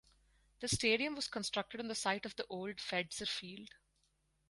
The stadium was constructed on the site of the old Fetzer Field.